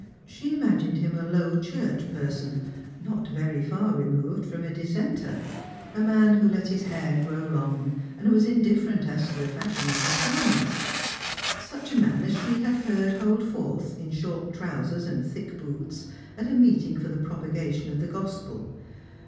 She imagined him a Low Church person, not very far removed from a dissenter, a mar who let his hair grow long and was indifferent as to the fashion o . his garments; such a man as she had heard hold forth, in short trousers and thick boots, at a meeting for the propagation of the Gospel.